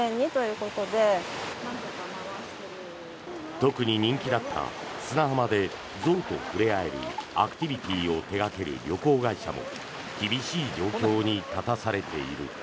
特に人気だった砂浜で象と触れ合えるアクティビティーを手掛ける旅行会社も厳しい状況に立たされている。